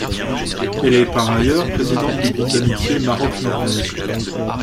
Elle est, par ailleurs, présidente du groupe d'amitié Maroc-Norvège.